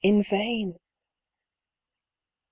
In vain !